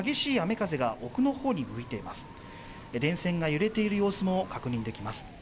電線が揺れている様子も確認できます。